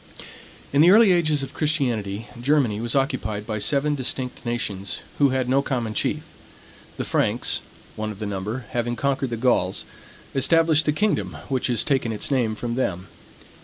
In the early ages of Christianity, Germany was occupied by seven distinct nations, who had no common chief. The Franks, one of the number, having conquered the Gauls, established the kingdom which has taken its name from them.